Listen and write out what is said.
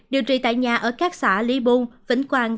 điều trị tại nhà ở các xã lý bôn vĩnh quang